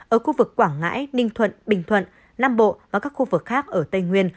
ở khu vực quảng ngãi ninh thuận bình thuận nam bộ và các khu vực khác ở tây nguyên